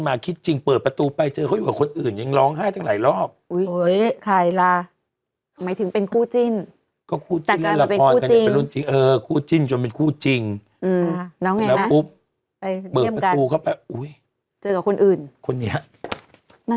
ไม่จริงอ๋อตอนนั้นเออโอ้นานแล้ว